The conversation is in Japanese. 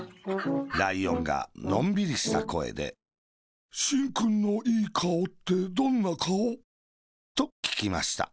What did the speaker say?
ライオンがのんびりしたこえで「しんくんのいいかおってどんなかお？」と、ききました。